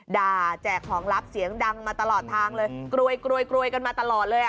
แจกของลับเสียงดังมาตลอดทางเลยกรวยกันมาตลอดเลยอ่ะ